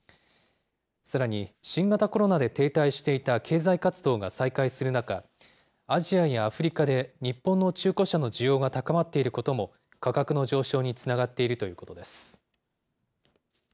さらに新型コロナで停滞していた経済活動が再開する中、アジアやアフリカで日本の中古車の需要が高まっていることも、価格の上昇につながっているということです。